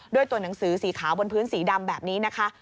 ด้วยตัวหนังสือสีขาวบนพื้นสีดำแบบนี้นะคะ